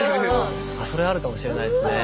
それあるかもしれないですね。